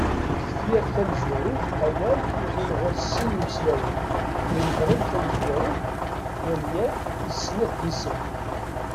Deg tefyirt tamezwarut, awal iɣil ɣur-s sin yismilen: Timeḍriwt tamezwarut d amyag, tis snat d isem.